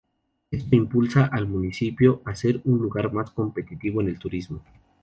Esto impulsa al municipio a ser un lugar más competitivo en el turismo.